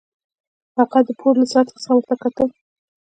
هغه د پوړ له سطحې څخه ورته وکتل